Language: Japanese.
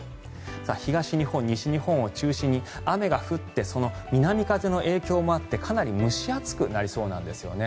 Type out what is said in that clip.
東日本、西日本を中心に雨が降ってその南風の影響もあってかなり蒸し暑くなりそうなんですよね。